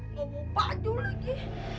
nggak mau baju lagi